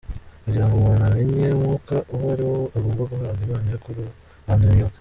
Kugira ngo umuntu amenye umwuka uwo ari wo agomba guhabwa impano yo kurobanura imyuka.